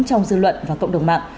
trong dư luận và cộng đồng mạng